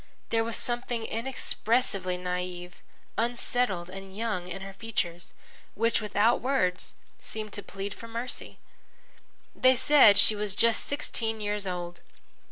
There was something inexpressibly naïve, unsettled and young in her features, which, without words, seemed to plead for mercy. They said she was just sixteen years old.